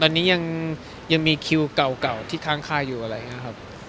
ตอนนี้ยังมีคิวเก่าที่ค้างค่าอยู่อะไรอย่างนี้ครับ